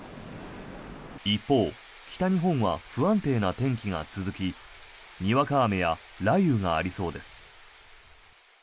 一方、北日本は不安定な天気が続きにわか雨や雷雨がありそうです。